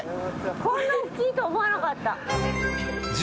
こんな大きいと思わなかった。